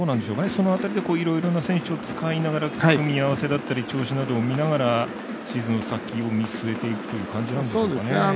その辺りでいろいろな選手を使いながら組み合わせだったり調子などを見ながらシーズン、先を見据えていくという感じなんでしょうかね。